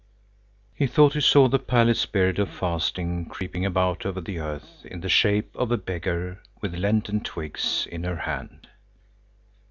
He thought he saw the pallid Spirit of Fasting creeping about over the earth in the shape of a beggar with Lenten twigs in her hand.